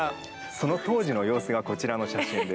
その当時の様子がこちらの写真です。